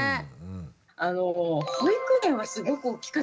あの保育園はすごく大きかったです。